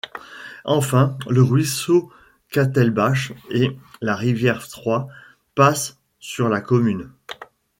Enfin, le ruisseau Quatelbach et la rivière Ill passent sur la commune.